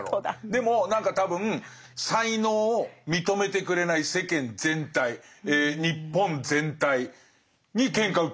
でも何か多分才能を認めてくれない世間全体日本全体にケンカ売ってるんだよ。